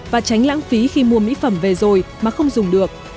và tránh lãng phí khi mua mỹ phẩm về rồi mà không dùng được